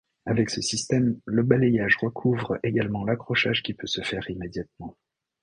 Avec ce système, le balayage recouvre également l’accrochage qui peut se faire immédiatement.